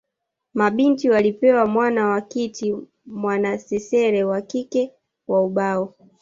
Mabinti walipewa mwana wa kiti mwanasesere wa kike wa ubao